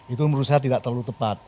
itu merusak tidak terlalu tepat